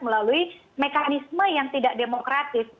melalui mekanisme yang tidak demokratis